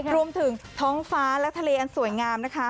รวมถึงท้องฟ้าและทะเลอันสวยงามนะคะ